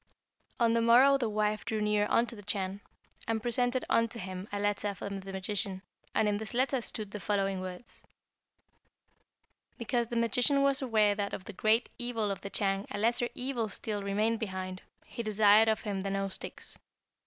"On the morrow the wife drew near unto the Chan, and presented unto him a letter from the magician, and in this letter stood the following words: 'Because the magician was aware that of the great evil of the Chan a lesser evil still remained behind, he desired of him the nose sticks.